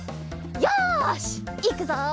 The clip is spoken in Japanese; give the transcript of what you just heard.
よしいくぞ！